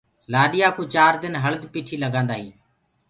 لآڏيآ ڪوُ چآر دن هݪد پِٺيٚ لگآندآ هينٚ۔